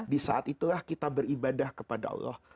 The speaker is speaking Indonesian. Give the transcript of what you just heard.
di saat itulah kita beribadah kepada allah